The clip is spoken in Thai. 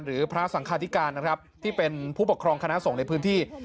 หรือพระสังคาธิการนะครับที่เป็นผู้ปกครองคณะสงฆ์ในพื้นที่